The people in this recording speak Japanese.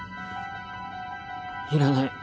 いらない。